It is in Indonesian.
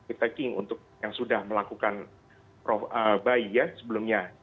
attacking untuk yang sudah melakukan bayi ya sebelumnya